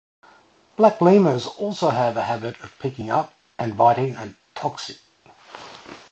Black lemurs also have a habit of picking up and biting at toxic millipedes.